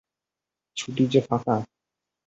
ছুটি যে ফাঁকা।